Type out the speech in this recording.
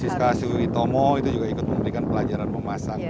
ibu siska siwi tomo itu juga ikut memberikan pelajaran memasak